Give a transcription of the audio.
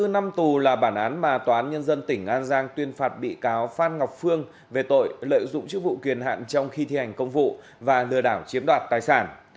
hai mươi năm tù là bản án mà tòa án nhân dân tỉnh an giang tuyên phạt bị cáo phan ngọc phương về tội lợi dụng chức vụ kiền hạn trong khi thi hành công vụ và lừa đảo chiếm đoạt tài sản